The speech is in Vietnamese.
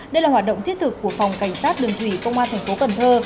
đây là hoạt động thiết thực của phòng cảnh sát đường thủy công an thành phố cần thơ